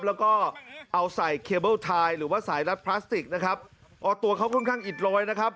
แล้วก็เอาใส่เคเบิ้ลทายหรือว่าสายรัดพลาสติกนะครับอ๋อตัวเขาค่อนข้างอิดโรยนะครับ